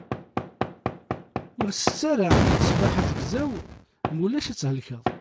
Ur tett ara tteffaḥ azegzaw, ma ulac ad thelkeḍ.